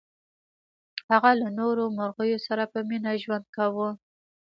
هغه له نورو مرغیو سره په مینه ژوند کاوه.